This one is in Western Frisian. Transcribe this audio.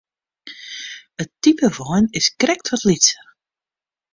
It type wein is krekt wat lytser.